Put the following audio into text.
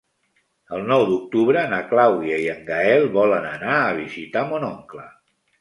El nou d'octubre na Clàudia i en Gaël volen anar a visitar mon oncle.